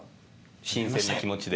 新鮮な気持ちで。